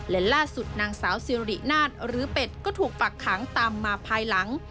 และล่าสุดนางสาวสิรินาฏหรือเป็ดก็ถูกฝักขังตามมาภายหลัง